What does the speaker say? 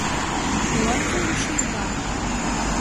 Молан вуйым шийыда?